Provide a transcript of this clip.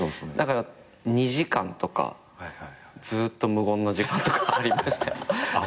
だから２時間とかずっと無言の時間とかありました。